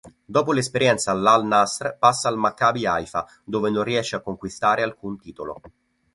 Dopo l'esperienza all'Al-Nassr passa al Maccabi Haifa dove non riesce a conquistare alcun titolo.